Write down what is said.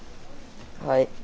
はい。